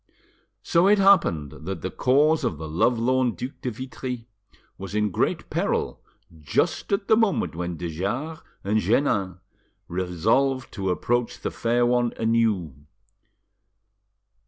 So it happened that the cause of the lovelorn Duc de Vitry was in great peril just at the moment when de Jars and Jeannin resolved to approach the fair one anew.